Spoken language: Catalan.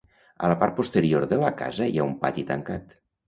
A la part posterior de la casa hi ha un pati tancat.